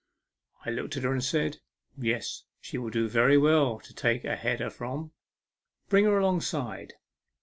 I looked at her and said, u Yes, she will do very well to take a header from. Bring her alongside."